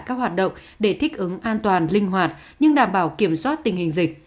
các hoạt động để thích ứng an toàn linh hoạt nhưng đảm bảo kiểm soát tình hình dịch